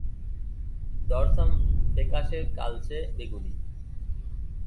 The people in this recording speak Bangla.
ডরসাম ফ্যাকাশে কালচে বেগুনি।